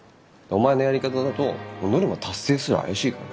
お前のやり方だとノルマ達成すら怪しいからね。